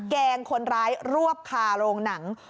แกล้งคนร้ายรวบคาโรงหนัง